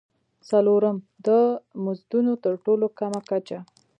څلورم: د مزدونو تر ټولو کمه کچه.